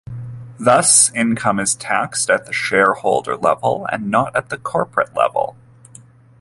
Thus, income is taxed at the shareholder level and not at the corporate level.